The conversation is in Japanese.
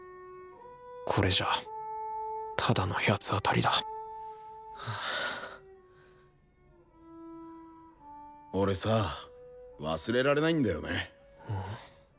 これじゃあただの八つ当たりだ俺さぁ忘れられないんだよね。